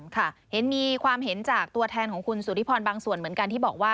ค่ะเห็นมีความเห็นจากตัวแทนของคุณสุธิพรบางส่วนเหมือนกันที่บอกว่า